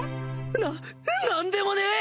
な何でもねえ！